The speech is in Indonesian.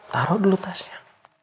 taruh dulu tasnya